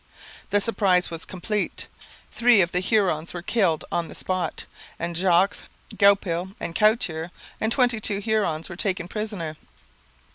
The surprise was complete; three of the Hurons were killed on the spot, and Jogues, Goupil, and Couture, and twenty two Hurons were taken prisoner.